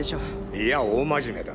いや大真面目だ。